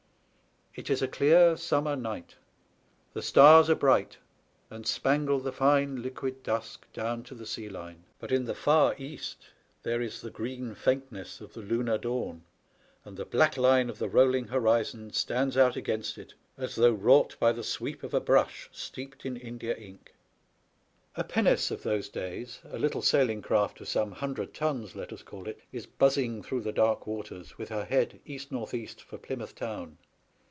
It is a clear summer night ; the stars are bright, and spangle the fine liquid dusk down to the sea line ; but in the far east there is the green faintness of the lunar dawn, and the black line of the rolling horizon stands out against it as though wrought by the sweep of a brush steeped in India ink. A pinnace of those days, a little sailing craft of some hundred tons, let us call it, is buzzing through the dark waters, with her head east north east for Plymouth town.